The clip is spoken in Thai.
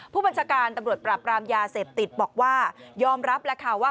ผู้บัญชาการตำรวจปราบรามยาเสพติดบอกว่ายอมรับแล้วค่ะว่า